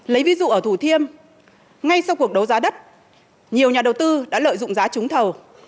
lấy ví dụ ở thủ thiêm ngay sau cuộc đấu giá đất nhiều nhà đầu tư đã lợi dụng giá trúng thầu